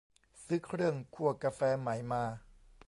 ซื้อเครื่องคั่วกาแฟใหม่มา